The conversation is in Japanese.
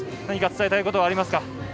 何か伝えたいことはありますか。